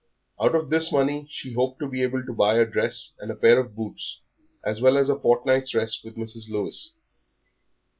Out of this money she hoped to be able to buy a dress and a pair of boots, as well as a fortnight's rest with Mrs. Lewis.